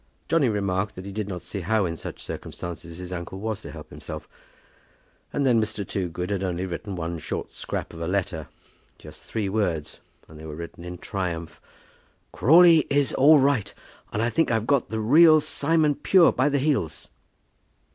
Johnny remarked that he did not see how in such circumstances his uncle was to help himself. And then Mr. Toogood had only written one short scrap of a letter, just three words, and they were written in triumph. "Crawley is all right, and I think I've got the real Simon Pure by the heels."